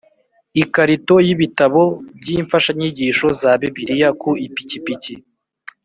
ikarito y ibitabo by imfashanyigisho za Bibiliya ku ipikipiki